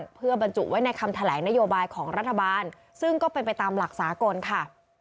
เพื่อบรรจุไว้ในคำแถลงนโยบายของรัฐบาลซึ่งก็เป็นไปตามหลักสากลค่ะ